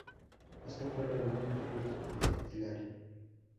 Este fue el álbum debut de Hilary.